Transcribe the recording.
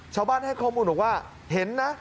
เช้าบ้านให้ข้อมูลว่าเห็นนะ